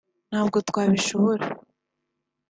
ntabwo twabishobora